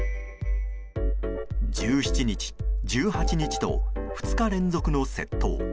１７日、１８日と２日連続の窃盗。